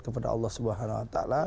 kepada allah swt